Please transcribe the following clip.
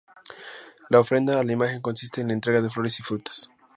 La ofrenda a la imagen consiste en la entrega de flores y frutas.